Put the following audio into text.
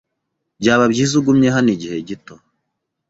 Byaba byiza ugumye hano igihe gito.